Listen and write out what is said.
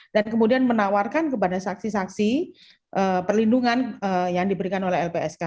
dan kemudian menawarkan kepada saksi saksi perlindungan yang diberikan oleh lpsk